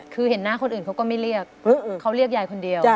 คือเห็นหน้าคนอื่นเขาก็ไม่เรียกเขาเรียกยายคนเดียว